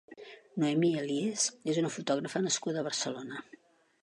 Noemí Elias és una fotògrafa nascuda a Barcelona.